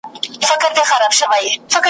خدای دي ووهه پر ما به توره شپه کړې ,